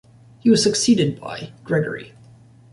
He was succeeded by Gregory.